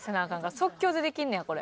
即興でできんねやこれ。